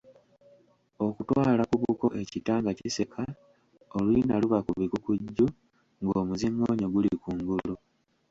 Okutwala ku buko ekita nga kiseka oluyina luba kubikukujju, ng'omuziŋoonyo guli ku ngulu.